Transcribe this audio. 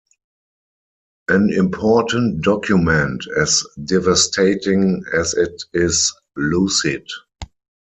An important document, as devastating as it is lucid.